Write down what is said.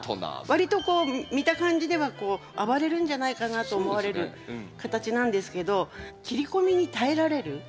わりとこう見た感じでは暴れるんじゃないかなと思われる形なんですけど切り込みに耐えられる。